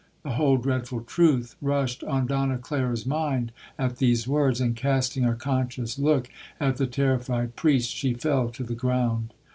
The whole dreadful truth rushed on Donna Clara's mind at these words, and casting a conscious look at the terrified priest, she fell to the ground.